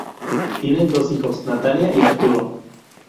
Tienen dos hijos, Natalia y Arturo.